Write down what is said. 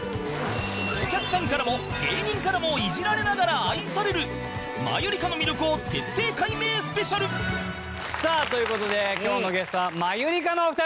お客さんからも芸人からもイジられながら愛されるマユリカの魅力を徹底解明スペシャル！さあという事で今日のゲストはマユリカのお二人です！